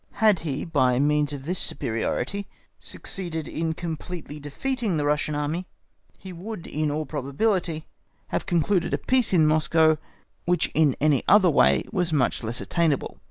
Had he by means of this superiority succeeded in completely defeating the Russian Army, he would, in all probability, have concluded a peace in Moscow which in any other way was much less attainable.